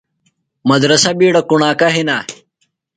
مدرسہ بِیڈہ کُݨاکہ ہِنہ۔